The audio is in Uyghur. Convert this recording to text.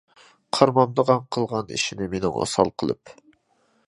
قارىمامدىغان قىلغان ئىشىنى مېنى ئوسال قىلىپ.